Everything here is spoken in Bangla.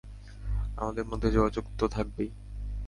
আমাদের মধ্যে যোগাযোগ তো থাকবেই।